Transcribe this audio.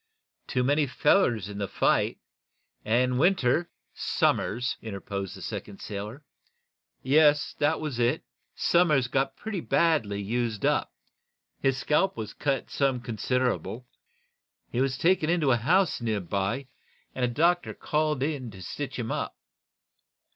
Too many fellers in the fight, and Winter " "Somers," interposed the second sailor. "Yes; that was it. Somers got pretty badly used up. His scalp was cut some considerable. He was taken into a house nearby, and a doctor called in to stitch him up.